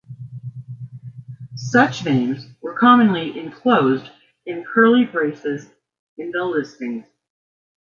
Such names were commonly enclosed in curly braces in the listings.